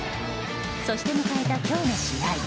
そして迎えた今日の試合。